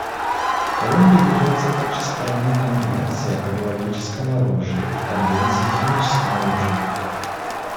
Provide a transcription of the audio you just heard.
Колумбия является также стороной Конвенции о биологическом оружии и Конвенции о химическом оружии.